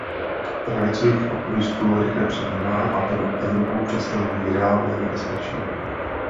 Pravicových populistů rychle přibývá a pro Evropu představují reálné nebezpečí.